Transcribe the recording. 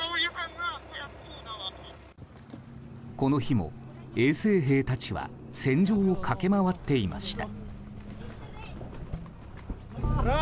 この日も衛生兵たちは戦場を駆け回っていました。